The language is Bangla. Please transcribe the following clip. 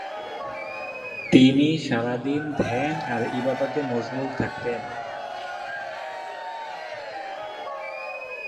তিনি সারাদিন ধ্যান আর ইবাদতে মশগুল থাকতেন।